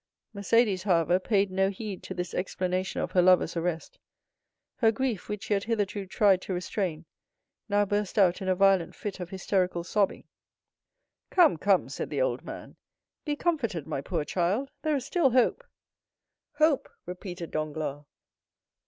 Mercédès, however, paid no heed to this explanation of her lover's arrest. Her grief, which she had hitherto tried to restrain, now burst out in a violent fit of hysterical sobbing. "Come, come," said the old man, "be comforted, my poor child; there is still hope!" "Hope!" repeated Danglars.